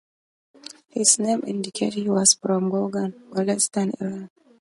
His name indicates he was from Gorgan, Golestan, Iran.